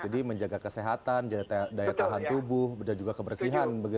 jadi menjaga kesehatan daya tahan tubuh dan juga kebersihan begitu ya